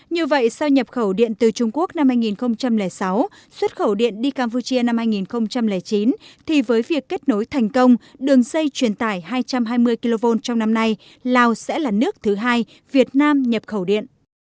như vậy sau nhập khẩu điện từ trung quốc năm hai nghìn sáu xuất khẩu điện đi campuchia năm hai nghìn chín thì với việc kết nối thành công đường dây truyền tải hai trăm hai mươi kv trong năm nay lào sẽ là nước thứ hai việt nam nhập khẩu điện